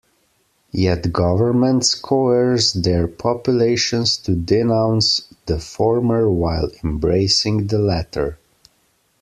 Yet, governments coerce their populations to denounce the former while embracing the latter.